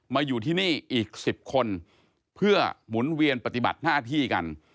มาอยู่ที่นี่อีก๑๐คนเพื่อหมุนเวียนปฏิบัติหน้าที่กัน